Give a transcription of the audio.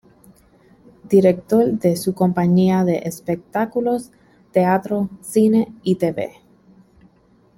Director de su compañía de espectáculos, teatro, cine y tv.